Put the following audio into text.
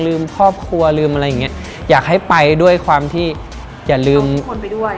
ครอบครัวลืมอะไรอย่างเงี้ยอยากให้ไปด้วยความที่อย่าลืมทุกคนไปด้วย